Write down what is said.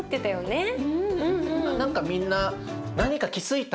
何かみんな何？